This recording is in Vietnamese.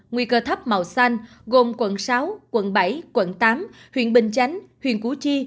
nguy cơ thấp màu xanh gồm quận sáu quận bảy quận tám huyện bình chánh huyện củ chi